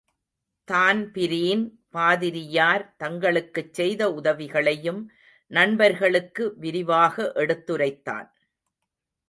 தான்பீரின், பாதிரியார் தங்களுக்குச் செய்த உதவிகளையும், நண்பர்களுக்கு விரிவாக எடுத்துரைத்தான்.